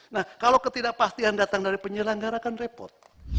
nah kalau ketidakpastian datang dari penyelenggara kan repot